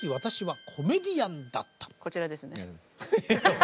こちらですね。